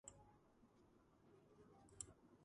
ეს ადგილი მოგვიანებით მაედროსის ჭაობის სახელით გახდა ცნობილი.